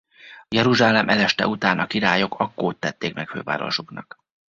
Jeruzsálem eleste után a királyok Akkót tették meg fővárosuknak.